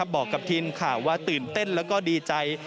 บอกกับทีมข่าวว่าตื่นเต้นแล้วก็ดีใจ